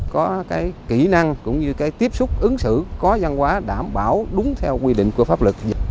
có kỹ năng tiếp xúc ứng xử có gian hóa đảm bảo đúng theo quy định của pháp lực